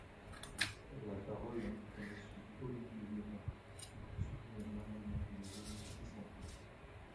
La parole est à Monsieur Olivier Véran, pour soutenir l’amendement numéro six cent un.